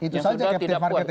itu saja captive market ya